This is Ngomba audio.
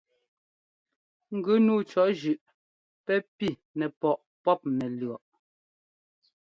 Ŋgʉ nǔu cɔ̌ zʉꞌ pɛ́ pi nɛpɔꞌ pɔ́p nɛlʉ̈ɔꞌ.